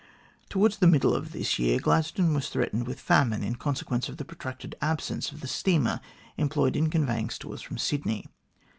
Towards the middle of this year, Gladstone was threatened with famine, in consequence of the protracted absence of the steamer employed in conveying stores from Sydney.